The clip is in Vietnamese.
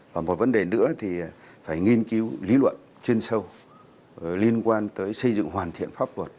và một vấn đề nữa thì phải nghiên cứu lý luận chuyên sâu liên quan tới xây dựng hoàn thiện pháp luật